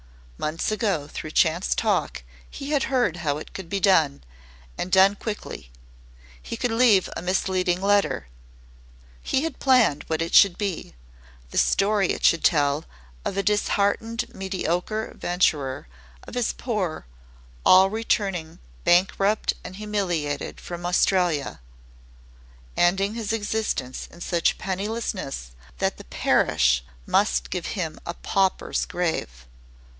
Months ago through chance talk he had heard how it could be done and done quickly. He could leave a misleading letter. He had planned what it should be the story it should tell of a disheartened mediocre venturer of his poor all returning bankrupt and humiliated from Australia, ending existence in such pennilessness that the parish must give him a pauper's grave.